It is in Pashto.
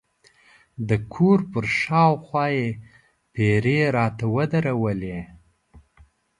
د کور پر شاوخوا یې پیرې راته ودرولې.